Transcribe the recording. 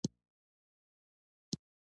کله هم د هندوکش هاخوا نه وو اوښتي